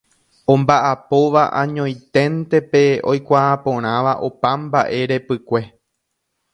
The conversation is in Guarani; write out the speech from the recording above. Omba'apóva añoiténte pe oikuaaporãva opa mba'e repykue.